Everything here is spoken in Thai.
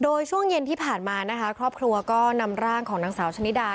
โดยช่วงเย็นที่ผ่านมานะคะครอบครัวก็นำร่างของนางสาวชะนิดา